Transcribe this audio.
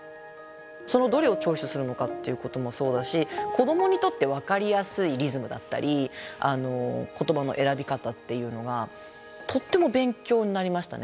そのどれをチョイスするのかっていうこともそうだし子どもにとって分かりやすいリズムだったり言葉の選び方っていうのがとっても勉強になりましたね。